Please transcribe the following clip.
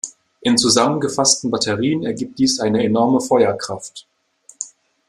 In zusammengefassten Batterien ergibt dies eine enorme Feuerkraft.